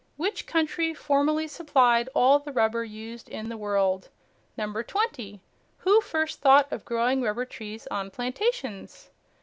Which country formerly supplied all the rubber used in the world? 20. Who first thought of growing rubber trees on plantations?